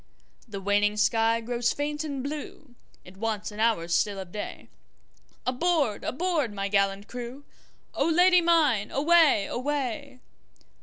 The waning sky grows faint and blue, It wants an hour still of day, Aboard! aboard! my gallant crew,O Lady mine away! away!